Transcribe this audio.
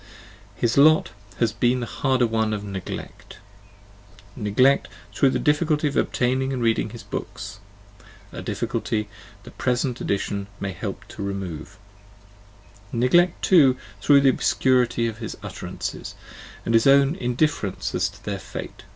His lot has been the harder one of neglect; negleft through the difficulty of obtaining and reading his books, a difficulty the present edition may help to remove; neglect too through the obscurity of his utterances, and his own indifference as to their fate.